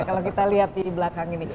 kalau kita lihat di belakang ini